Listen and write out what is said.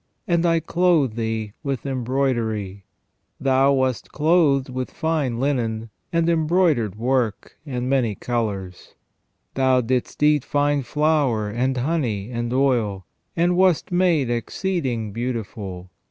And I clothed thee with embroidery. ... Thou wast clothed with fine linen, and embroidered work, and many colours ; thou didst eat fine flour, and honey, and oil, and wast made exceeding beautiful.